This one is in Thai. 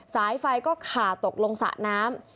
สายไฟก็ขาตกลงสระน้ำ